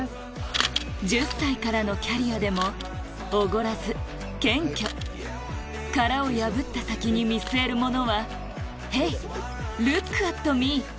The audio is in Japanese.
１０歳からのキャリアでもおごらず謙虚殻を破った先に見据えるものは「Ｈｅｙ！Ｌｏｏｋａｔｍｅ！」